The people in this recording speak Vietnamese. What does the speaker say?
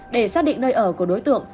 để xác định nơi ở của đối tượng